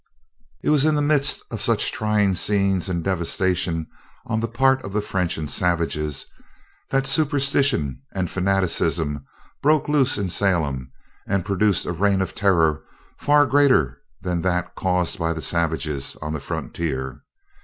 It was in the midst of such trying scenes and devastation on the part of the French and savages, that superstition and fanaticism broke loose in Salem and produced a reign of terror far greater than that caused by the savages on the frontier.